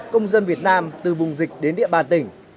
công dân việt nam từ vùng dịch đến địa bàn tỉnh